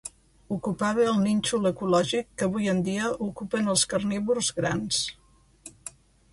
Ocupava el nínxol ecològic que avui en dia ocupen els carnívors grans.